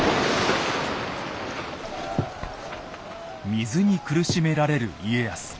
水に苦しめられる家康。